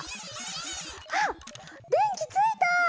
あっ電気ついた！